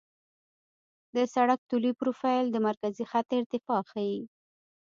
د سړک طولي پروفیل د مرکزي خط ارتفاع ښيي